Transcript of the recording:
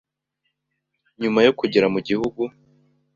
Nyuma yo kugera mu gihugu